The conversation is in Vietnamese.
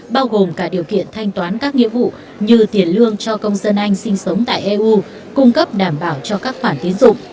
bao gồm cả điều kiện thanh toán các nghĩa vụ như tiền lương cho công dân anh sinh sống tại eu cung cấp đảm bảo cho các khoản tiến dụng